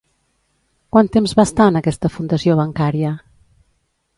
Quant temps va estar en aquesta fundació bancària?